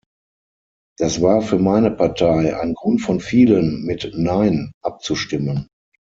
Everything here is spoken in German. Das war für meine Partei ein Grund von vielen, mit nein abzustimmen.